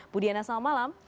budiana selamat malam